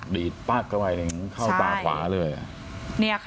ดีดปั๊กเข้าไปเข้าตาขวาเลย